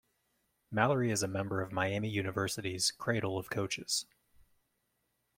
Mallory is a member of Miami University's Cradle of Coaches.